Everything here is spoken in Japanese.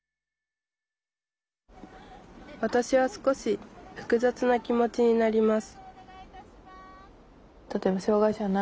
わたしは少し複雑な気持ちになります